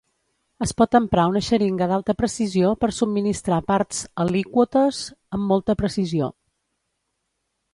Es pot emprar una xeringa d'alta precisió per subministrar parts alíquotes amb molta precisió.